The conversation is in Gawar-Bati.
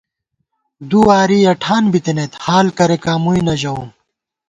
دُو واری یَہ ٹھان بِتنئیت، حال کریکان مُوئی نہ ژَوُم